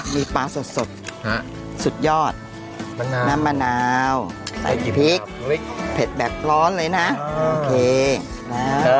มีปลาสดสดสุดยอดน้ำมาเนาไปผิกเผ็ดแบบร้อนเลยนะค่ะ